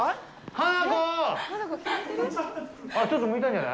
あっ、ちょっと向いたんじゃない？